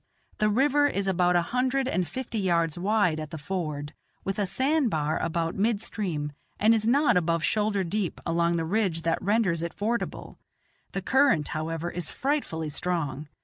The river is about a hundred and fifty yards wide at the ford, with a sand bar about mid stream, and is not above shoulder deep along the ridge that renders it fordable; the current, however, is frightfully strong.